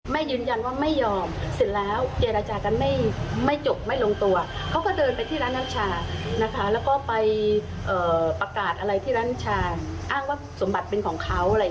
ร้านน้ำชาอ้างว่าสมบัติเป็นของเขาอะไรอย่างนี้ค่ะ